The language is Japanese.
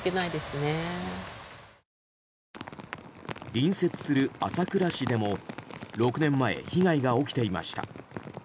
隣接する朝倉市でも６年前、被害が起きていました。